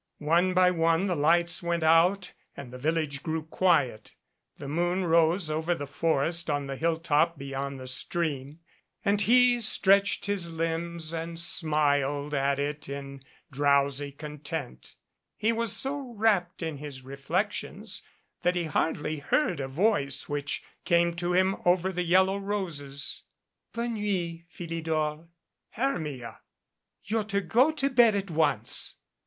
One by one the lights went out, and the village grew quiet. The moon rose over the forest on the hilltop beyond the stream, and he stretched his limbs and smiled at it in drowsy content. 182 PERE GUEGOU'S ROSES He was so wrapped in his reflections that he hardly heard a voice which came to him over the yellow roses. "Bonne nuit, Philidor." "Hermia !" "You're to go to bed at once."